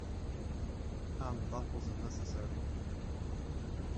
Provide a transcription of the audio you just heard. Ann, that was unnecessary!